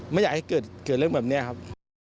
ไม่อยากให้เกิดเรื่องแบบนี้ครับ